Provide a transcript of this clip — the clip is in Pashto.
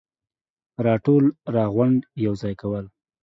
راټول ، راغونډ ، يوځاي کول,